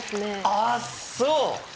あそう！